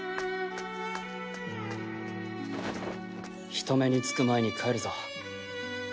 人目につく前に帰るぞ。